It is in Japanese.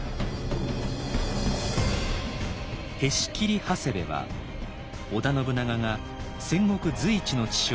「へし切長谷部」は織田信長が戦国随一の知将